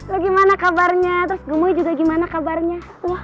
lo gimana kabarnya terus gemoy juga gimana kabarnya